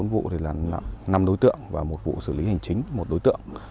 bốn vụ là năm đối tượng và một vụ xử lý hành chính một đối tượng